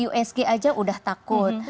usg aja udah takut